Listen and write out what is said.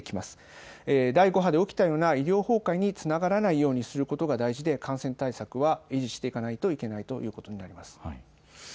第５波で起きたような医療崩壊につながらないようにすることが大事で、感染対策は維持していかないといけないということになります。